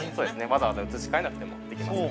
わざわざ移し替えなくてもできます。